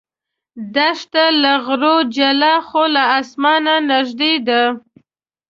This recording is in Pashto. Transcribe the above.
دښته له غرونو جلا خو له اسمانه نږدې ده.